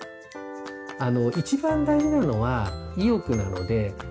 あの一番大事なのは意欲なので。